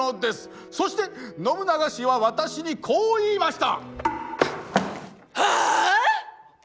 そして信長氏は私にこう言いました。